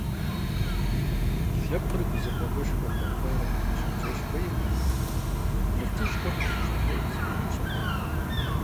Лъэпкъыр гузэвэгъуэшхуэ хэхуарэ чэнджэщ хуеймэ, нартыжьхэр къызэщагъэурти еупщӀырт.